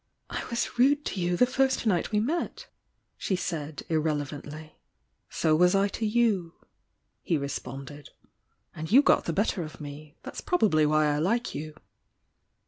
"I was rude to you the first night we met!" she said, irrelevantly. "So was I to you," he responded. "And you got the better of me. That's probably why I like you!"